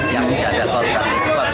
yang tidak ada koordinasi dengan masyarakat